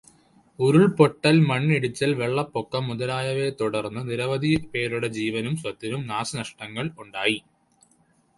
ഉരുള്പൊട്ടല്, മണ്ണിടിച്ചില്, വെള്ളപ്പൊക്കം മുതലായവയെത്തുടര്ന്ന് നിരവധിപേരുടെ ജീവനും സ്വത്തിനും നാശനഷ്ടങ്ങള് ഉണ്ടായി.